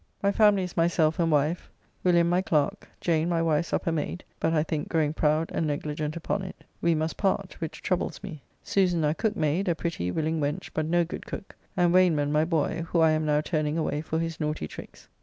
My family is myself and wife, William, my clerk; Jane, my wife's upper mayde, but, I think, growing proud and negligent upon it: we must part, which troubles me; Susan, our cook mayde, a pretty willing wench, but no good cook; and Wayneman, my boy, who I am now turning away for his naughty tricks.